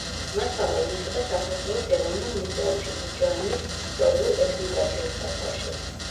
მასალა ინახება საქართველოს ეროვნულ მუზეუმში გურჯაანის ისტორიულ-ეთნოგრაფიულ საცავში.